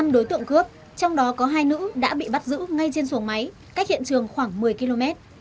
năm đối tượng cướp trong đó có hai nữ đã bị bắt giữ ngay trên xuồng máy cách hiện trường khoảng một mươi km